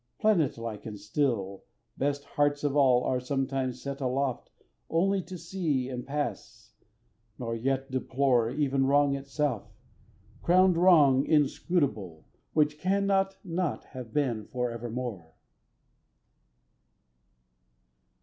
Planet like and still, Best hearts of all are sometimes set aloft Only to see and pass, nor yet deplore Even Wrong itself, crowned Wrong inscrutable, Which cannot not have been for evermore.